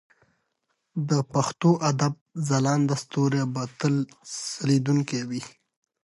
د پښتو ادب ځلانده ستوري به تل ځلېدونکي وي.